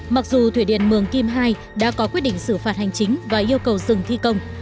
mặc dù thủy điện mường kim ii đã có quyết định xử phạt hành chính và yêu cầu dừng thi công